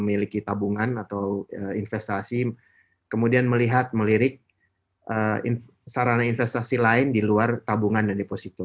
memiliki tabungan atau investasi kemudian melihat melirik sarana investasi lain di luar tabungan dan deposito